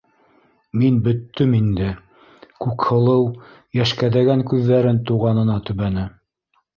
Мин бөттөм инде, - Күкһылыу йәшкәҙәгән күҙҙәрен туғанына төбәне.